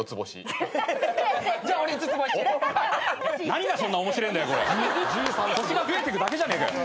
何がそんな面白えんだよ